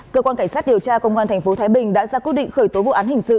cơ quan cảnh sát điều tra công an tp thái bình đã ra quyết định khởi tố vụ án hình sự